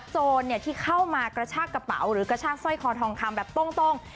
โจรที่เข้ามากระชากกระเป๋าหรือกระชากสร้อยคอทองคำแบบตรง